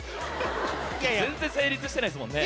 全然成立していないですもんね。